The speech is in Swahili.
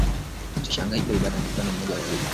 Usishangae ikiwa baada ya mkutano mmoja au miwili